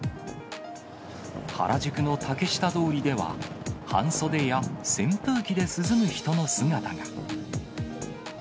原宿の竹下通りでは、半袖や扇風機で涼む人の姿が。